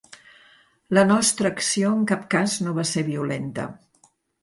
La nostra acció en cap cas no va ser violenta.